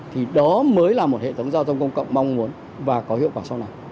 thì đó mới là một hệ thống giao thông công cộng mong muốn và có hiệu quả sau này